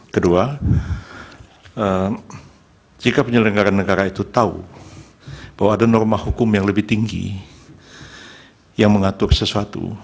kedua jika penyelenggaran negara itu tahu bahwa ada norma hukum yang lebih tinggi yang mengatur sesuatu